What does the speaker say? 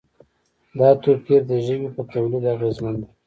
دا توپیر د ژبې په تولید اغېزمن دی.